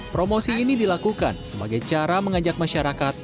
promosi ini dilakukan sebagai cara mengajak masyarakat